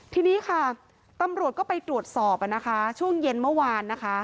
ทีนี้ค่ะตำรวจก็ไปตรวจสอบนะคะช่วงเย็นเมื่อวานนะคะ